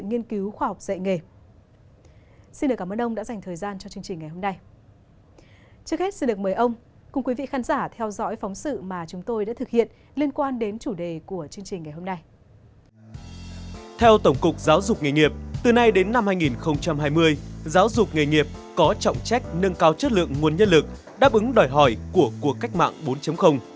theo tổng cục giáo dục nghề nghiệp từ nay đến năm hai nghìn hai mươi giáo dục nghề nghiệp có trọng trách nâng cao chất lượng nguồn nhân lực đáp ứng đòi hỏi của cuộc cách mạng bốn